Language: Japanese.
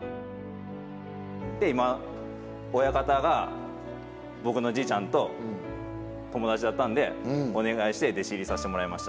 今親方が僕のじいちゃんと友達だったんでお願いして弟子入りさしてもらいました。